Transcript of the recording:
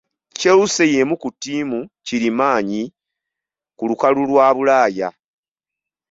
Chelsea y'emu ku ttiimu kirimaanyi ku lukalu lwa Bulaaya.